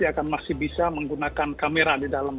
dia akan masih bisa menggunakan kamera di dalam